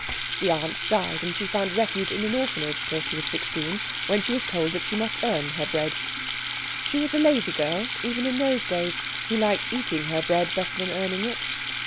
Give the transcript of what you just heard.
The aunt died, and she found a refuge in an orphanage till she was sixteen, when she was told that she must earn her bread. She was a lazy girl even in those days, who liked eating her bread better than earning it.